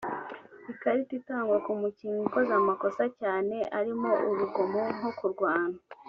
Ikarita itangwa ku mukinnyi ukoze amakosa cyane arimo urugomo nko kurwana